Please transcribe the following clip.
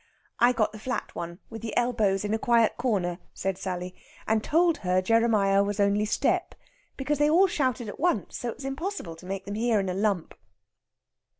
"I got the flat one, with the elbows, in a quiet corner," said Sally, "and told her Jeremiah was only step. Because they all shouted at once, so it was impossible to make them hear in a lump."